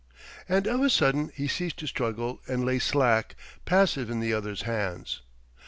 And of a sudden he ceased to struggle and lay slack, passive in the other's hands.